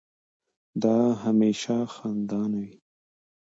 دا هميشه خندانه وي